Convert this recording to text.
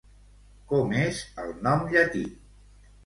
Com és el nom llatí?